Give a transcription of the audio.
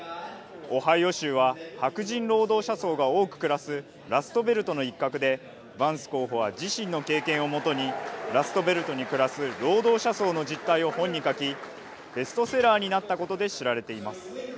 オハイオ州は白人労働者層が多く暮らすラストベルトの一角でバンス候補は自身の経験をもとにラストベルトに暮らす労働者層の実態を本に書き、ベストセラーになったことで知られています。